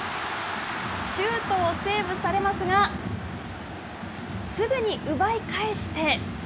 シュートをセーブされますがすぐに奪い返して。